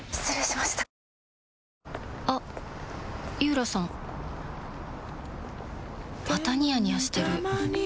またニヤニヤしてるふふ。